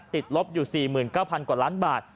ติดลบอยู่๔๙๐๐กว่าล้านบาท